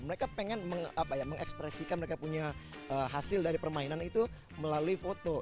mereka pengen mengekspresikan mereka punya hasil dari permainan itu melalui foto